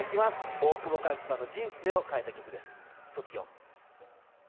大久保佳代子さんの人生を変えた曲です。